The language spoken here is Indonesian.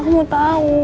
aku mau tau